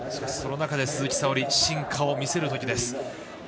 その中で鈴木沙織進化を見せるときです。